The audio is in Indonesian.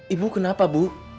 ibu kenapa bu